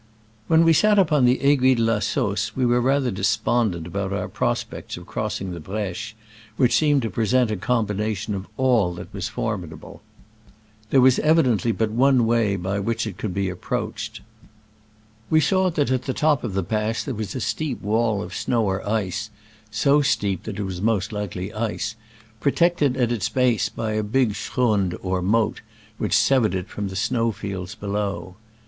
When we sat upon the Aiguille de la Sausse we were rather despondent about our prospects of crossing the Breche, which seemed to present a combination of all that was formidable. There was evidently but one way by which it could be approached. We saw that at the top of the pass there was a steep wall of snow or ice (so steep that it was most Digitized by VjOOQIC SCRAMBLES AMONGST THE ALPS IN i86o '69. ^l likely ice), protected at its base by a big schrund or moat, which severed it from the snow fields below.